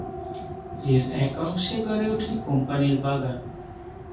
এর এক অংশে গড়ে ওঠে 'কোম্পানির বাগান।'